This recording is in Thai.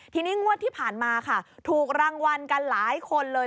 ทีนี้งวดที่ผ่านมาค่ะถูกรางวัลกันหลายคนเลย